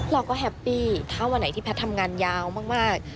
เราก็แฮปปี้ถ้าวันไหนที่แพทย์ทำงานยาวมาก